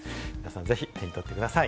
ぜひ手に取ってください。